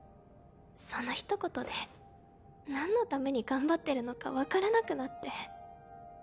そのひと言でなんのために頑張ってるのか分からなくなって。